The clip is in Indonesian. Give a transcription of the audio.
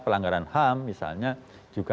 pelanggaran ham misalnya juga